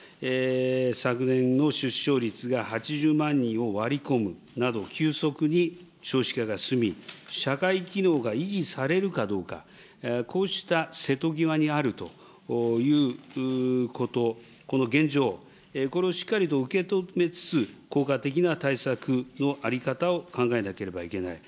昨年の出生率が８０万人を割り込むなど、急速に少子化が進み、社会機能が維持されるかどうか、こうした瀬戸際にあるということ、この現状、これをしっかりと受け止めつつ、効果的な対策の在り方を考えなければいけない。